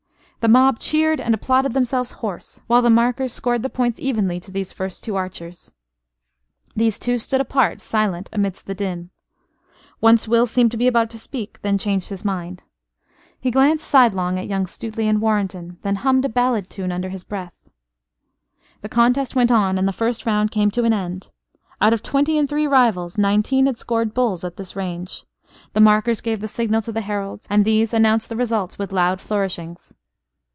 The mob cheered and applauded themselves hoarse; while the markers scored the points evenly to these first two archers. These two stood apart, silent amidst the din. Once Will seemed to be about to speak: then changed his mind. He glanced sidelong at young Stuteley and Warrenton; then hummed a ballad tune under his breath. The contest went on and the first round came to an end. Out of twenty and three rivals nineteen had scored bulls at this range. The markers gave the signal to the heralds, and these announced the results with loud flourishings.